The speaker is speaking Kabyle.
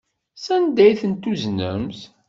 Sanda ay tent-tuznemt?